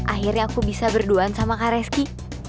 akhirnya aku bisa berduaan sama kak reski